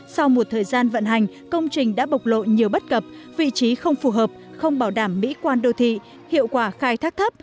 sau một thời gian vận hành công trình đã bộc lộ nhiều bất cập vị trí không phù hợp không bảo đảm mỹ quan đô thị hiệu quả khai thác thấp